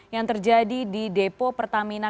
yang terjadi di depo pertamina